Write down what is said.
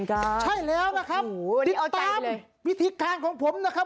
ใช่แล้วนะครับติดตามวิธีการของผมนะครับ